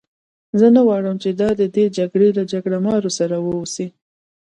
زه نه غواړم چې دا د دې جګړې له جګړه مارو سره وه اوسي.